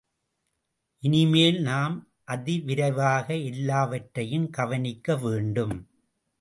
இனிமேல் நாம் அதிவிரைவாக எல்லாவற்றையும் கவனிக்க வேண்டும்.